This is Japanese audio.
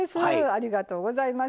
ありがとうございます。